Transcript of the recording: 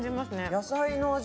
野菜の味